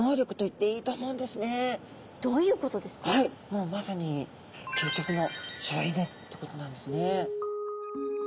もうまさに究極の省エネってことなんですね。